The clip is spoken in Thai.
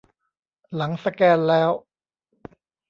หลังสแกนแล้ว